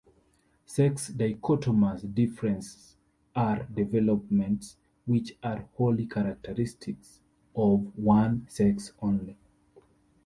Sex-dichotomous differences are developments which are wholly characteristic of one sex only.